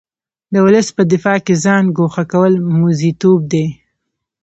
د ولس په دفاع کې ځان ګوښه کول موزیتوب دی.